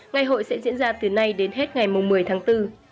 ngày hội sẽ diễn ra từ nay đến hết ngày một mươi tháng bốn